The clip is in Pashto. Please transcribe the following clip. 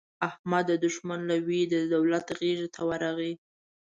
احمد د دوښمن له وېرې د دولت غېږې ته ورغی.